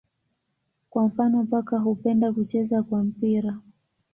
Kwa mfano paka hupenda kucheza kwa mpira.